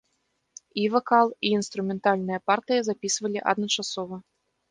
І вакал, і інструментальныя партыі запісвалі адначасова.